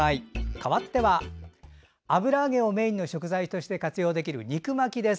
かわっては、油揚げをメインの食材として活用できる肉巻きです。